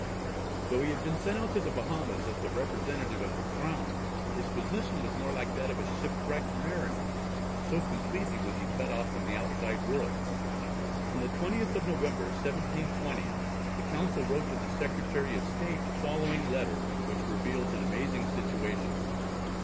Though he had been sent out to the Bahamas as the representative of the Crown, his position was more like that of a shipwrecked mariner, so completely was he cut off from the outside world. On the 20th of November, 1720, the Council wrote to the Secretary of State the following letter which reveals an amazing situation.